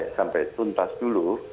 sampai tuntas dulu